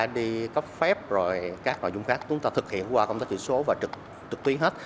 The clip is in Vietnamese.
đi có phép rồi các nội dung khác chúng ta thực hiện qua công tác chữ số và trực tuyến hết